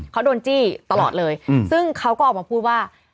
เขาโดนจี้ตลอดเลยซึ่งเขาก็ออกมาพูดว่า